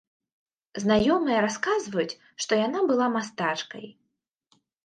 Знаёмыя расказваюць, што яна была мастачкай.